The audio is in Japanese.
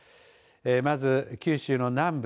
まず、九州の南部